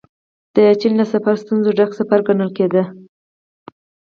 د چين سفر له ستونزو ډک سفر ګڼل کېده.